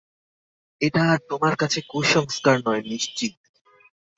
এটা আর তোমার কাছে কুসংস্কার নয় নিশ্চিত।